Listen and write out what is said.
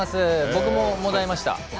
僕ももだえました。